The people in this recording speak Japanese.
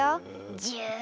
ジュー。